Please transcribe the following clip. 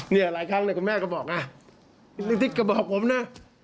นี่หลายครั้งคุณแม่ก็บอกนิติก็บอกผมนะ